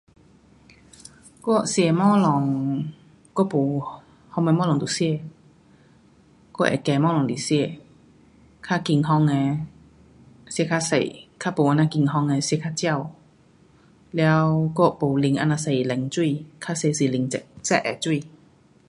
我吃东西，我没什么东西都吃。我会选东西来吃。较健康的，吃较多。较没这么健康的，吃较少。了我没喝这样多冷水。